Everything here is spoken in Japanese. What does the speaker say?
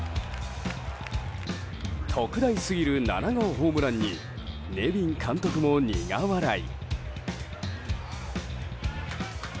特大すぎる７号ホームランにネビン監督も苦笑い。